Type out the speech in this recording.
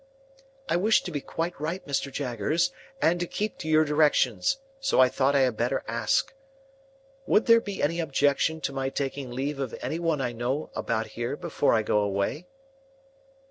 "I wish to be quite right, Mr. Jaggers, and to keep to your directions; so I thought I had better ask. Would there be any objection to my taking leave of any one I know, about here, before I go away?"